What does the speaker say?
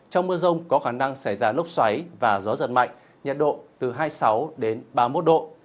trong mưa rông có khả năng xảy ra lốc xoáy và gió giật mạnh nhiệt độ từ hai mươi sáu đến ba mươi một độ